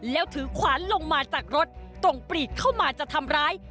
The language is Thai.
แล้วถือขวานลงมาจากรถตรงปรีดเข้ามาจะทำร้าย